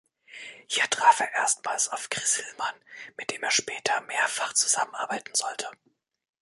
Hier traf er erstmals auf Chris Hillman, mit dem er später mehrfach zusammenarbeiten sollte.